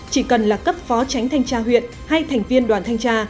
chỉ cần là cấp phó tránh thanh tra huyện hay thành viên đoàn thanh tra